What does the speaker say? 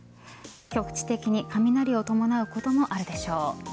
局地的に雷を伴うこともあるでしょう。